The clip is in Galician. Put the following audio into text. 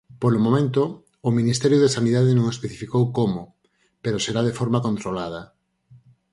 Polo momento, o Ministerio de Sanidade non especificou como, pero será de forma controlada.